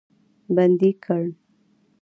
بندي کړ.